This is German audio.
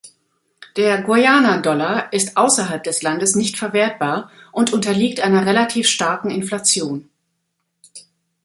Der Guyana-Dollar ist außerhalb des Landes nicht verwertbar und unterliegt einer relativ starken Inflation.